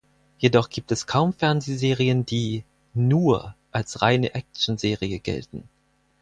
Jedoch gibt es kaum Fernsehserien, die "nur" als reine Actionserie gelten.